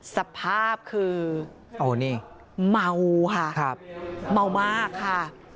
สภาพคือเมาค่ะเมามากค่ะ